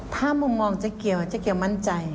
ถ้ามุมมองเจ๊เกียวเจ๊เกียวมั่นใจ